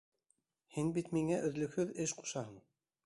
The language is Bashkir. Һин бит миңә өҙлөкһөҙ эш ҡушаһың.